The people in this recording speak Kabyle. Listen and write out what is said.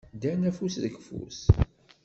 Ddan afus deg ufus.